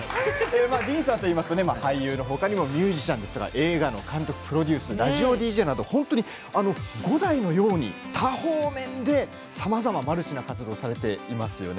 ディーンさんといいますと俳優のほかにもミュージシャン映画の監督、プロデュースラジオＤＪなど五代のように多方面でさまざまマルチな活動をされていますよね。